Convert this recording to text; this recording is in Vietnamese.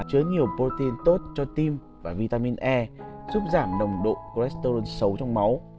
chứa nhiều protein tốt cho tim và vitamin e giúp giảm nồng độ cholesterol xấu trong máu